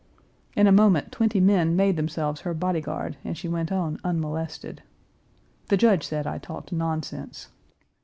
In a moment twenty men made themselves her body guard, and she went on unmolested. The Judge said I talked nonsense.